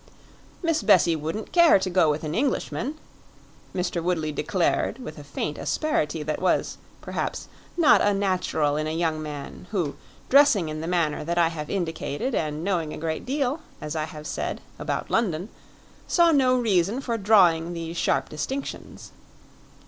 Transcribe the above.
"Miss Bessie wouldn't care to go with an Englishman!" Mr. Woodley declared with a faint asperity that was, perhaps, not unnatural in a young man, who, dressing in the manner that I have indicated and knowing a great deal, as I have said, about London, saw no reason for drawing these sharp distinctions.